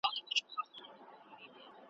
زما لمسیو کړوسیو ته پاتیږي `